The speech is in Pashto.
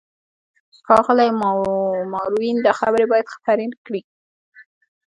ښاغلی ماروین، دا خبرې باید خپرې نه کړې.